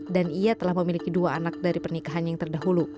dan ia telah memiliki dua anak dari pernikahan yang terdahulu